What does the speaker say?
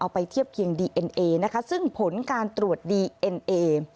ไปเทียบเคียงดีเอ็นเอนะคะซึ่งผลการตรวจดีเอ็นเอ